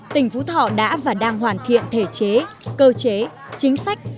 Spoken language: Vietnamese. tỉnh phú thọ đã và đang hoàn thiện thể chế cơ chế chính sách